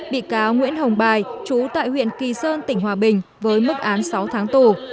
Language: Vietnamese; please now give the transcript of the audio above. bị cáo nguyễn hồng bài chú tại huyện kỳ sơn tỉnh hòa bình với mức án sáu tháng tù